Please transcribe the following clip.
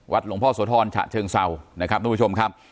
หลวงพ่อโสธรฉะเชิงเศร้านะครับทุกผู้ชมครับ